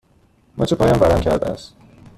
مچ پایم ورم کرده است.